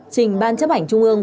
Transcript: trình ban chấp ảnh trung ương